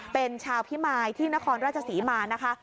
เป็นชาวพิมายที่นครราชศรีมานะคะ